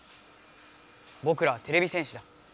ぼくらはてれび戦士だ。